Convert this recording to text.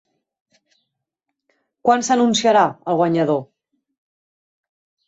Quan s'anunciarà el guanyador?